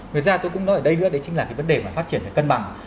ngoài ra tôi cũng nói ở đây nữa đấy chính là cái vấn đề mà phát triển phải cân bằng